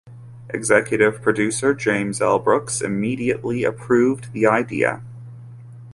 Executive producer James L. Brooks immediately approved the idea.